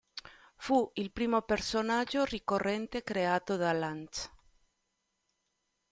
Fu il primo personaggio ricorrente creato da Lantz.